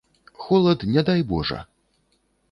Холад, не дай божа.